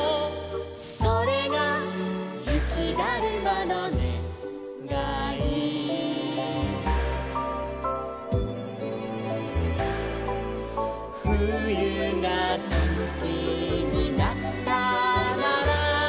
「それがゆきだるまのねがい」「ふゆがだいすきになったなら」